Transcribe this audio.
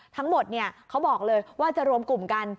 ทั้งหมดเขาบอกเลยว่าจะรวมกลุ่มกัน